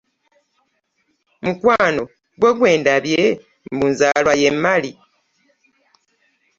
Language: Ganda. Mukwano gwe gwe ndabye mbu nzaalwa y'e Mali?